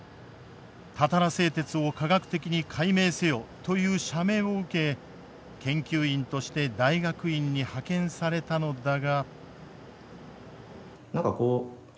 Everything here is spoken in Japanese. たたら製鉄を科学的に解明せよという社命を受け研究員として大学院に派遣されたのだが。